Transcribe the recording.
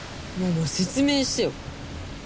ママ説明してよ。